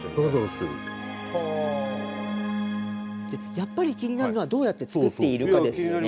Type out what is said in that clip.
やっぱり気になるのはどうやって作っているかですよね。